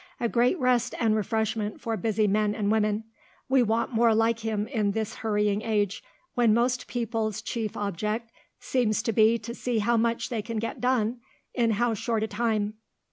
A great rest and refreshment for busy men and women; we want more like him in this hurrying age, when most people's chief object seems to be to see how much they can get done in how short a time."